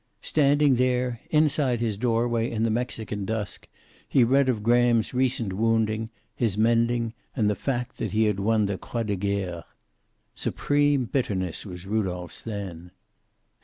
Standing there, inside his doorway in the Mexican dusk, he read of Graham's recent wounding, his mending, and the fact that he had won the Croix de Guerre. Supreme bitterness was Rudolph's then.